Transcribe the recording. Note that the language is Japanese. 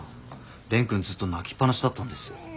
蓮くんずっと泣きっぱなしだったんですよ。